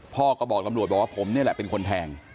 พ่อก็บอกตำรวจบอกว่าผมนี่แหละเป็นคนแทง